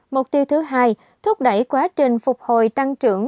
mục tiêu thứ hai thúc đẩy quá trình phục hồi tăng trưởng